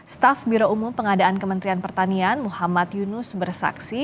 staf biro umum pengadaan kementerian pertanian muhammad yunus bersaksi